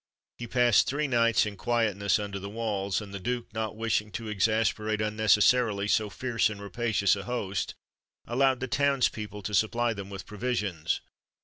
He passed three nights in quietness under the walls, and the duke, not wishing to exasperate unnecessarily so fierce and rapacious a host, allowed the townspeople to supply them with provisions.